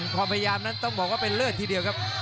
ความพยายามนั้นต้องบอกว่าเป็นเลิศทีเดียวครับ